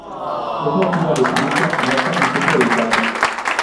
Es nativa de Sicilia, Malta y centro de Italia.